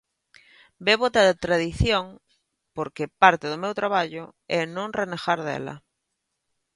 Bebo da tradición porque parte do meu traballo é non renegar dela.